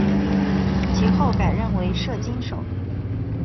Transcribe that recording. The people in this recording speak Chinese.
其后改任为摄津守。